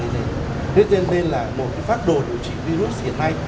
nên là một phát đồ điều trị virus hiện nay